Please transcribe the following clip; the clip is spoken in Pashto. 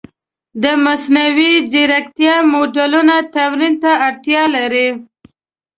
د مصنوعي ځیرکتیا موډلونه تمرین ته اړتیا لري.